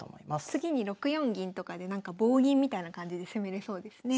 次に６四銀とかで棒銀みたいな感じで攻めれそうですね。